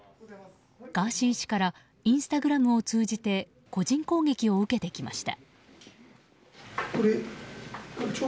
ガーシー氏からインスタグラムを通じて個人口撃を受けてきました。